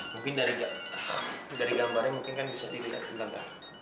mungkin dari gambarnya bisa dilihat